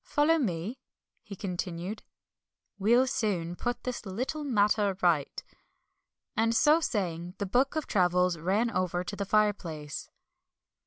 "Follow me," he continued, "we'll soon put this little matter right." And so saying, the book of travels ran over to the fireplace.